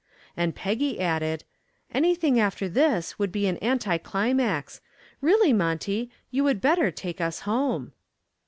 And Peggy added, "Anything after this would be an anti climax. Really, Monty, you would better take us home."